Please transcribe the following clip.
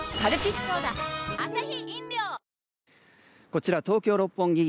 こちら東京・六本木